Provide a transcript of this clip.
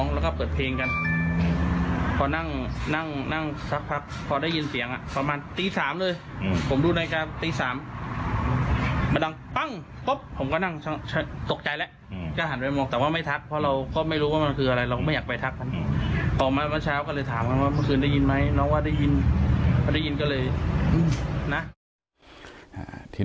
และผมดูนายกราฟตี๓